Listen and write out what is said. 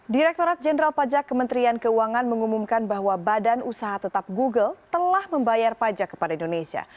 direkturat jenderal pajak kementerian keuangan mengumumkan bahwa badan usaha tetap google telah membayar pajak kepada indonesia